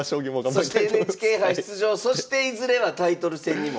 そしてＮＨＫ杯出場そしていずれはタイトル戦にも。